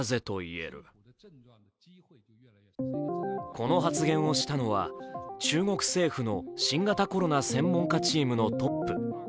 この発言をしたのは中国政府の新型コロナ専門家チームのトップ。